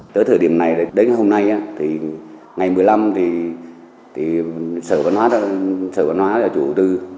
tới thời điểm này đến hôm nay ngày một mươi năm sở văn hóa là chủ tư